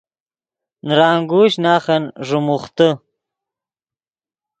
نرانگوشچ ناخن ݱیموختے